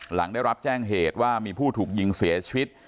หลังได้รับแจ้งเหตุว่ามีผู้ถูกยิงเสียชีวิต